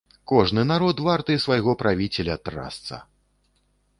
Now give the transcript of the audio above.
Кожны народ варты свайго правіцеля, трасца!